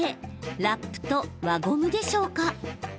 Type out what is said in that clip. ラップと輪ゴムでしょうか。